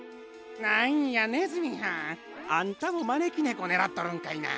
なんやねずみはんあんたもまねきねこねらっとるんかいな。